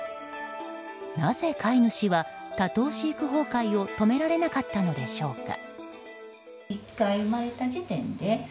なぜ飼い主は多頭飼育崩壊を止められなかったのでしょうか。